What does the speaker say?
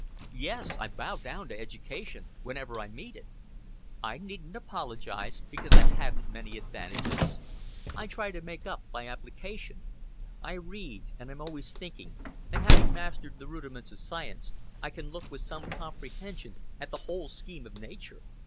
"Yes. I bow down to education whenever I meet it. I needn't apologize because I hadn't many advantages. I try to make up by application. I read, and I'm always thinking and having mastered the rudiments of science, I can look with some comprehension at the whole scheme of nature.